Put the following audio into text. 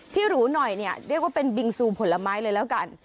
หรูหน่อยเนี่ยเรียกว่าเป็นบิงซูผลไม้เลยแล้วกัน